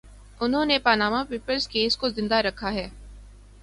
انھوں نے Panama Papers case کو زندہ رکھا ہے۔